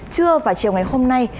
trưa và chiều ngày hôm nay